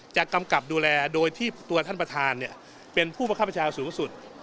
กำกับดูแลโดยที่ตัวท่านประธานเป็นผู้ประคับประชาสูงสุด